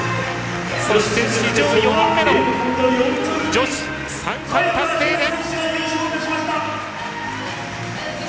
そして、史上４人目の女子三冠達成です！